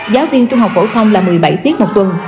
giáo viên trung học phổ thông là một mươi bảy tiết một tuần